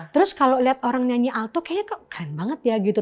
terus kalau lihat orang nyanyi alto kayaknya kok keren banget ya gitu